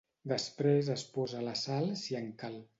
Després es posa la sal si en cal.